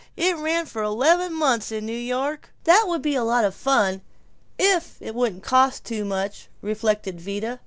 It ran for eleven months in New York!" "That would be lots of fun, if it wouldn't cost too much," reflected Vida.